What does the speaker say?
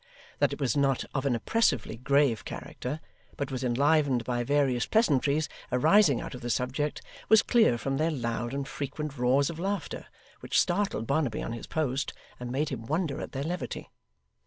That it was not of an oppressively grave character, but was enlivened by various pleasantries arising out of the subject, was clear from their loud and frequent roars of laughter, which startled Barnaby on his post, and made him wonder at their levity.